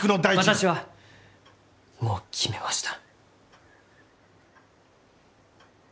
私はもう決めました。